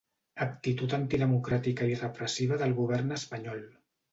Actitud antidemocràtica i repressiva del govern espanyol